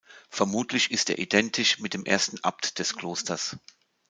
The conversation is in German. Vermutlich ist er identisch mit dem ersten Abt des Klosters.